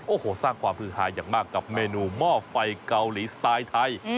โอ้โหสร้างความฮือฮาอย่างมากกับเมนูหม้อไฟเกาหลีสไตล์ไทย